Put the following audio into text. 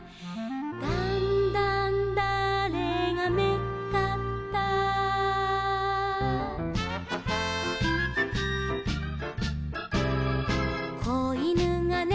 「だんだんだあれがめっかった」「子いぬがね